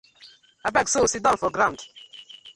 Abeg so sidon for ground.